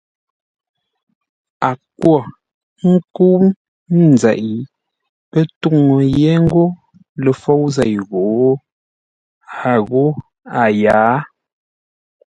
A kwo ńkə́u nzeʼ pə́ tuŋu yé ńgó ləfôu zei ghǒ, a ghó a yǎa.